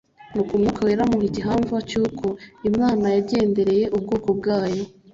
nuko Umwuka Wera amuha igihamva cy'uko Imana yagendereye ubwoko bwayo,